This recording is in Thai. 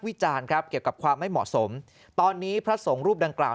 จานครับเกี่ยวกับความไม่เหมาะสมตอนนี้พระสงฆ์รูปดังกล่าว